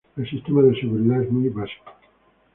El sistema de seguridad es muy básico.